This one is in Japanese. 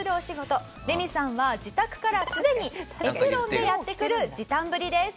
レミさんは自宅からすでにエプロンでやって来る時短ぶりです。